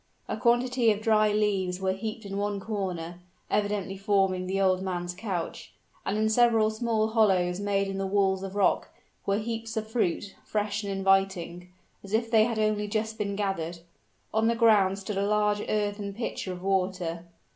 A quantity of dry leaves were heaped in one corner evidently forming the old man's couch; and in several small hollows made in the walls of rock, were heaps of fruit fresh and inviting, as if they had only just been gathered. On the ground stood a large earthen pitcher of water.